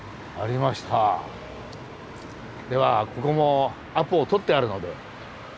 ではここもアポを取ってあるので。